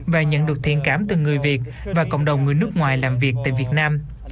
và nhận được thiện cảm từ người việt và cộng đồng người nước ngoài làm việc tại việt nam